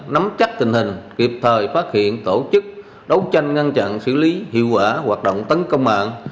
nắm chắc tình hình kịp thời phát hiện tổ chức đấu tranh ngăn chặn xử lý hiệu quả hoạt động tấn công mạng